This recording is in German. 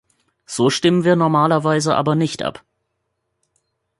So stimmen wir normalerweise aber nicht ab.